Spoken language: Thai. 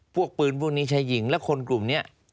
พวกปืนพวกนี้ใช้ยิงและคนกลุ่มนี้